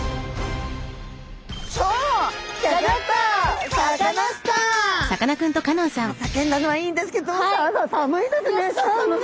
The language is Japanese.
さあ叫んだのはいいんですけれども寒いですね。